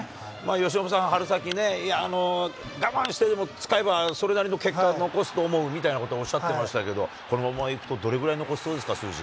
由伸さん、春先ね、いや、我慢してでも使えばそれなりの結果を残すと思うみたいなことをおっしゃってましたけど、このままいくと、どれぐらい残しそうですか、数字。